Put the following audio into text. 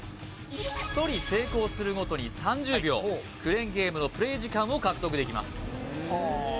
１人成功するごとに３０秒クレーンゲームのプレイ時間を獲得できます